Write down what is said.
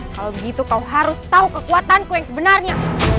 kalau gitu kau harus tau kekuatanku yang sebenarnya